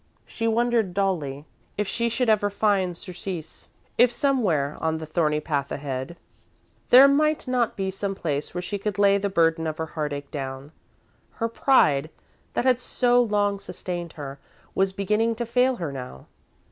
She wondered, dully, if she should ever find surcease; if somewhere, on the thorny path ahead, there might not be some place where she could lay the burden of her heartache down. Her pride, that had so long sustained her, was beginning to fail her now.